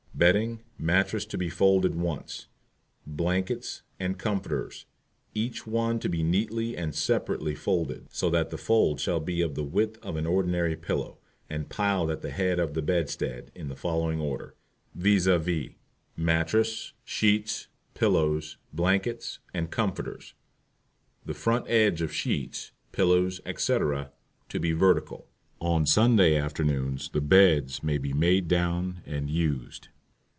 Bedding Mattress to be folded once; Blankets and Comforters, each one to be neatly and separately folded, so that the folds shall be of the width of an ordinary pillow, and piled at the head of the BEDSTEAD in the following order, viz.: MATTRESS, SHEETS, PILLOWS, BLANKETS, and COMFORTERS, the front edge of sheets, pillows, etc., to be vertical. On Sunday afternoons the BEDS may be made down and used.